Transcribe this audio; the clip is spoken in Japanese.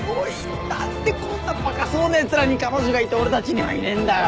何でこんなバカそうなやつらに彼女がいて俺たちにはいねえんだよ！